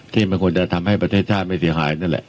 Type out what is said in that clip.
ที่มันควรจะทำให้ประเทศชาติไม่เสียหายนั่นแหละ